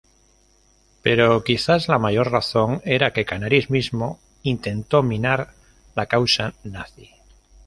Pero quizás la mayor razón era que Canaris mismo intentó minar la causa nazi.